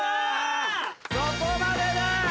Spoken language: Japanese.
そこまでだ！